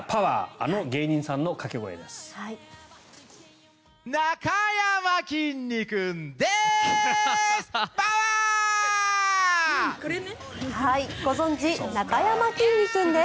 あの芸人さんのかけ声です。